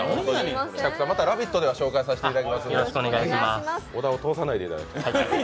また「ラヴィット！」では紹介させていただきますので、小田を通さないでいただきたい。